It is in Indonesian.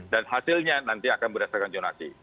dan hasilnya nanti akan berdasarkan jonasi